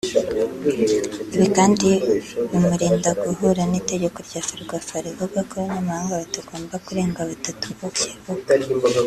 Ibi kandi bimurinda guhura n’itegeko rya Ferwafa rivuga ko Abanyamahanga batagomba kurenga batatu mu kibuga